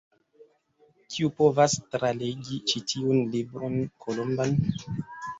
Kiu povas tralegi ĉi tiun Libron Kolomban?